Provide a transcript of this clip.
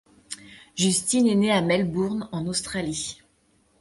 Justine est née à Melbourne, en Australie.